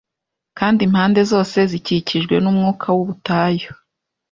Kandi impande zose zikikijwe n'umwuka w'ubutayu